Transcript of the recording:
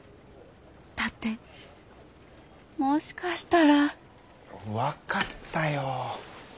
だってもしかしたら分かったよ。